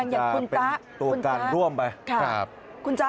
อย่างคุณจ๊ะ